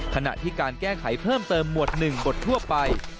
ขณะที่การแก้ไขเพิ่มเติมหมวด๑บททั่วไป